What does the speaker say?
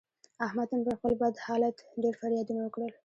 احمد نن پر خپل بد حالت ډېر فریادونه وکړل.